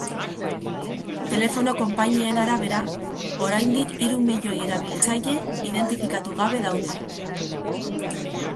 Telefono konpainien arabera, oraindik hiru milioi erabiltzaile identifikatu gabe daude.